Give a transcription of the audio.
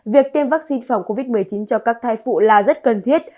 việc tiêm vaccine phòng covid một mươi chín cho các thai phụ là rất cần thiết